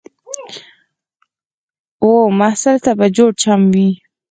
و محصل ته به جوړ چم وي